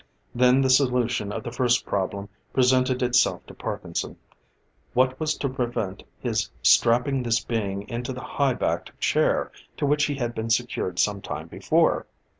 Then the solution of the first problem presented itself to Parkinson. What was to prevent his strapping this being into the high backed chair to which he had been secured some time before?